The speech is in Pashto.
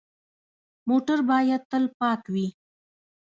موټر باید تل پاک وي.